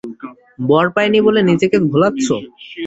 বর পাই নি বলে নিজেকে ভোলাচ্ছ?